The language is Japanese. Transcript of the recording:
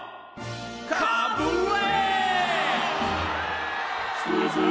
かぶれ！